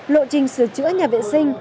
lộ trình sửa chữa nhà vệ sinh